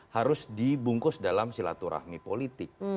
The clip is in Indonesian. harus dibungkus dalam silaturahmi politik